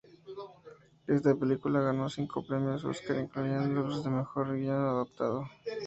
Esta película ganó cinco premios Oscar, incluyendo los de mejor guion adaptado.